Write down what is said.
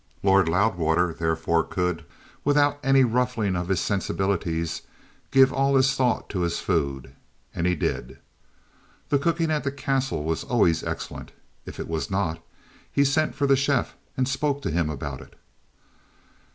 Lord Loudwater therefore could, without any ruffling of his sensibilities, give all his thought to his food, and he did. The cooking at the castle was always excellent. If it was not, he sent for the chef and spoke to him about it.